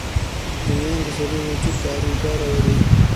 رومیان د سړی وجود ته ارامتیا راولي